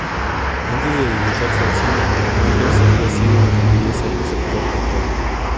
Antes de dedicarse al cine, Myers había sido durante diez años actor teatral.